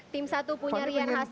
tim satu punya rian hasto